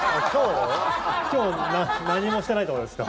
今日何もしてないってことですか？